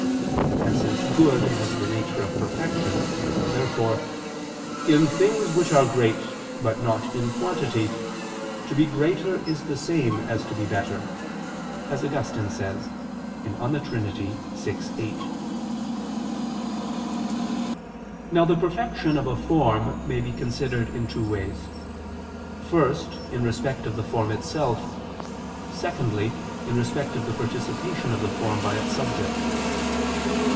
And since good has the nature of perfection, therefore "in things which are great, but not in quantity, to be greater is the same as to be better," as Augustine says (De Trin. vi, 8). Now the perfection of a form may be considered in two ways: first, in respect of the form itself: secondly, in respect of the participation of the form by its subject.